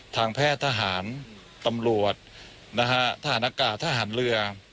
ทางแพทย์ทหารตำรวจนะฮะทหารอากาศทหารเรือ